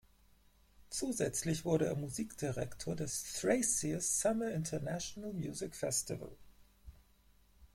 Zusätzlich wurde er Musikdirektor des "Thracia Summer International Music Festival".